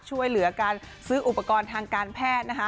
ช่วยเหลือการซื้ออุปกรณ์ทางการแพทย์นะคะ